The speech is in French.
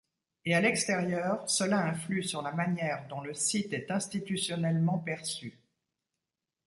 Et à l'extérieur, cela influe sur la manière dont le site est institutionnellement perçu.